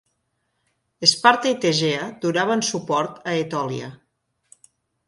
Esparta i Tegea donaven suport a Etòlia.